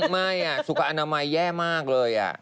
ไม่สุขอนามัยแย่มากเลย